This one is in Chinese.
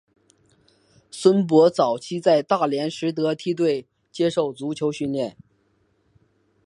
孙铂早期在大连实德梯队接受足球训练。